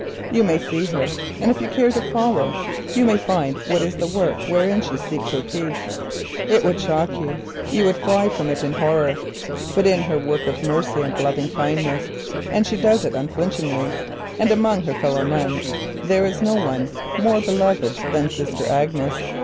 You may see her, and if you care to follow you may find what is the work wherein she seeks her peace. It would shock you; but it is her work of mercy and loving kindness and she does it unflinchingly. Among her sister nuns there is no one more beloved than Sister Agnes.